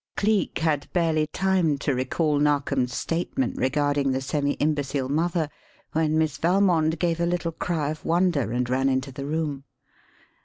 Cleek had barely time to recall Narkom's statement regarding the semi imbecile mother, when Miss Valmond gave a little cry of wonder and ran into the room.